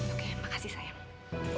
oke makasih sayang